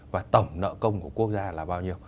và tổng nợ công của quốc gia là bao nhiêu